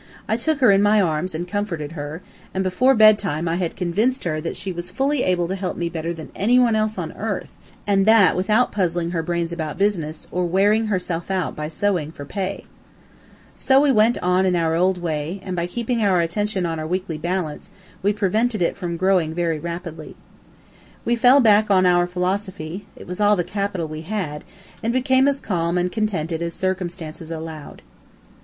I took her in my arms and comforted her, and before bedtime I had convinced her that she was fully able to help me better than any one else on earth, and that without puzzling her brains about business, or wearing herself out by sewing for pay. So we went on in our old way, and by keeping our attention on our weekly balance, we prevented it from growing very rapidly. We fell back on our philosophy (it was all the capital we had), and became as calm and contented as circumstances allowed.